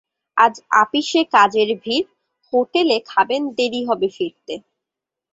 আজ আপিসে কাজের ভিড়, হোটেলে খাবেন, দেরি হবে ফিরতে।